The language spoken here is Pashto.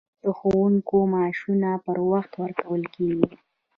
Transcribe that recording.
د ښوونکو معاشونه پر وخت ورکول کیږي؟